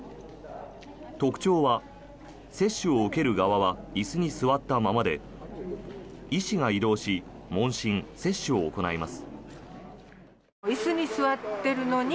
特徴は接種を受ける側は椅子に座ったままで医師が移動し問診・接種を行います。